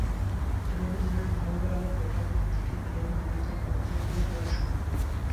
Attorney general Mahbubey Alam paper book থেকে নিজামীর বিরুদ্ধে অভিযোগগুলো পড়ে শোনান।